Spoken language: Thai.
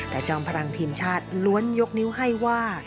แต่จอมพลังทีมชาติล้วนยกนิ้วให้ว่า